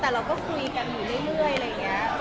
แต่เราก็คุยกันอยู่เรื่อยอะไรอย่างนี้